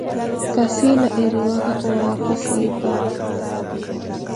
Ka siila eriwaka owaapho siipa.